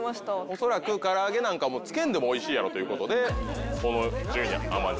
恐らく唐揚げなんかもうつけんでもおいしいやろということでこの順位に甘んじてる。